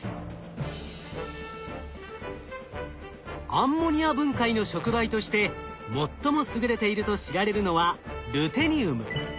アンモニア分解の触媒として最も優れていると知られるのはルテニウム。